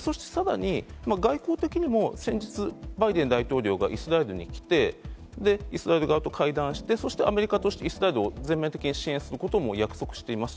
そしてさらに、外交的にも、先日、バイデン大統領がイスラエルに来て、イスラエル側と会談して、そしてアメリカとしてイスラエルを全面的に支援することも約束しています。